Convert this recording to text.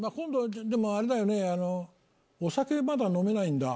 でもあれだよねお酒まだ飲めないんだ？